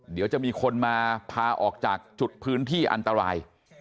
เดี๋ยวจะมีคนมาพาออกจากจุดพื้นที่อันตราย